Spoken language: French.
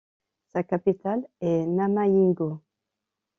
Sa capitale est Namayingo.